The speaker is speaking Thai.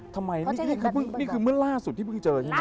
ทำไมนี่คือเมื่อล่าสุดที่เพิ่งเจอใช่ไหม